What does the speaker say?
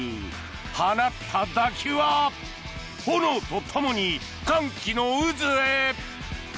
放った打球は炎とともに歓喜の渦へ！